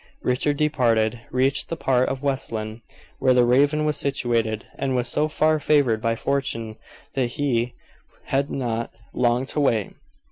Richard departed, reached the part of West Lynne where the Raven was situated, and was so far favored by fortune that he had not long to wait.